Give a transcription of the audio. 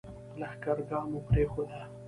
لښکرګاه مو پرېښوده.